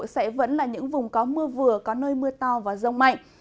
sẽ vẫn là những vùng có mưa vừa có nơi mưa to và rông mạnh